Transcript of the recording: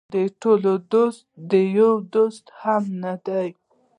د ټولو دوست د یو دوست هم نه دی.